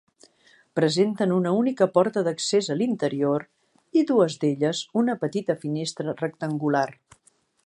Presenten una única porta d'accés a l'interior i, dues d'elles, una petita finestra rectangular.